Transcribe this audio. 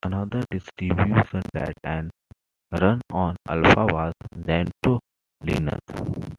Another distribution that ran on Alpha was Gentoo Linux.